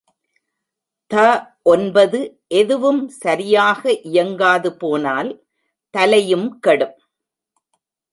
த ஒன்பது எதுவும் சரியாக இயங்காதுபோனால் தலையும் கெடும்.